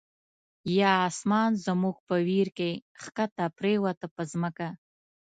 یا آسمان زموږ په ویر کی، ښکته پر یووته په ځمکه